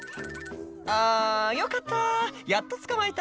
「あぁよかったやっとつかまえた」